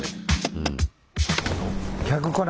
うん。